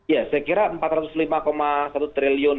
ya saya kira rp empat ratus lima satu triliun